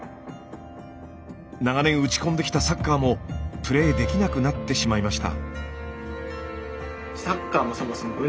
長年打ち込んできたサッカーもプレーできなくなってしまいました。